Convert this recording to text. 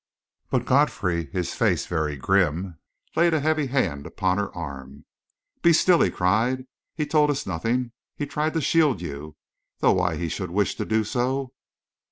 But Godfrey, his face very grim, laid a heavy hand upon her arm. "Be still!" he cried. "He told us nothing! He tried to shield you though why he should wish to do so...."